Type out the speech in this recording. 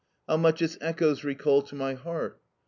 How much its echoes recall to my heart!